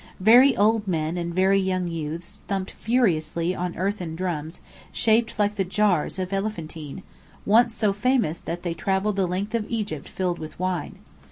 Very old men and very young youths thumped furiously on earthen drums shaped like the jars of Elephantine, once so famous that they travelled the length of Egypt filled with wine.